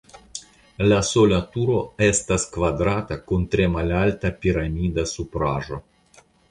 La sola turo estas kvadrata kun tre malalta piramida supraĵo.